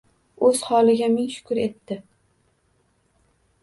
O’z holiga ming shukr etdi